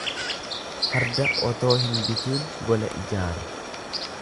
Farda otoo hin bitiin gola ijaare.